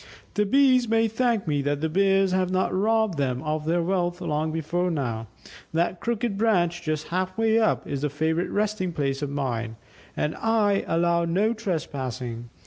"The Bees may thank me that the Bears have not robbed them of their wealth long before now. That crooked branch, just half way up, is a favourite resting place of mine, and I allow no trespassing.